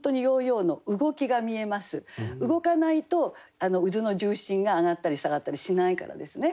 動かないと渦の重心が上がったり下がったりしないからですね。